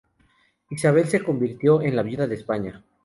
Isabel se convirtió en "la viuda de España".